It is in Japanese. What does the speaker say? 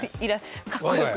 かっこよく。